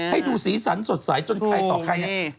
ให้ดูสีสันสดใสจนใครต่อใครเนี่ย